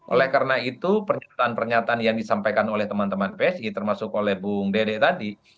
oleh karena itu pernyataan pernyataan yang disampaikan oleh teman teman psi termasuk oleh bung dede tadi